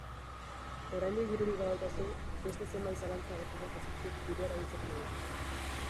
Oraindik dirurik badaukazu, beste zenbait zalantza agertuko zaizkizu dirua erabiltzeko moduan.